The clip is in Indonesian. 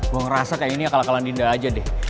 gue ngerasa kayak gini akal akalan dinda aja deh